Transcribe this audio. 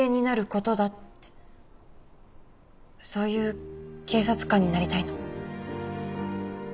そういう警察官になりたいの。